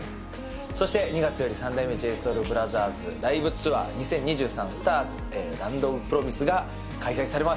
そして２月より３代目ＪＳＯＵＬＢＲＯＴＨＥＲＳライブツアー２０２３スターズランドオブプロミスが開催されます。